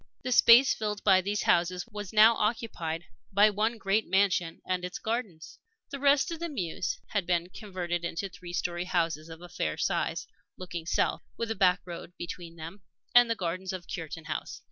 The space filled by these houses was now occupied by one great mansion and its gardens. The rest of the mews had been converted into three story houses of a fair size, looking south, with a back road between them and the gardens of Cureton House.